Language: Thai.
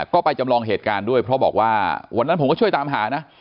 ก็ไปจำลองเหตุการณ์ด้วยเพราะบอกว่าวันนั้นผมก็ช่วยตามหานะ